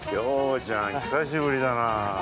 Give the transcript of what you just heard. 恭ちゃん久しぶりだなぁ。